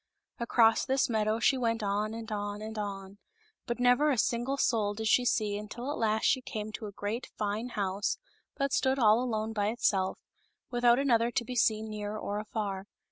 Across this meadow she went on and on and on ; but never a single soul did she see until at last she came to a great, fine house that stood ail alone by itself, without another to be seen, near or afar.